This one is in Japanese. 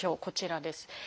こちらです。